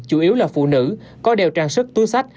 chủ yếu là phụ nữ có đeo trang sức túi sách